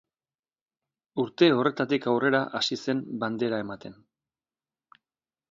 Urte horretatik aurrera hasi zen Bandera ematen.